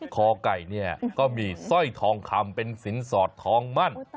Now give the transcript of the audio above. คอไก่เนี่ยก็มีสร้อยทองคำเป็นสินสอดทองมั่น